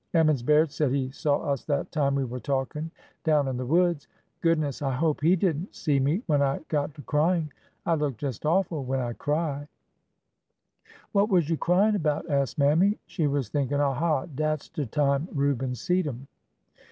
Emmons Baird said he saw us that time we were talking down in the woods. ... Goodness ! I hope he did n't see me when I got to crying! I look just awful when I cry 1 " THE CERTIFICATE What was you cryin' about ?'' asked Mammy. She was thinking, ''A ha ! dat 's de time Reuben seed 'em